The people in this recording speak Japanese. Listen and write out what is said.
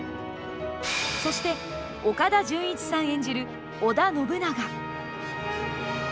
そして、岡田准一さん演じる織田信長。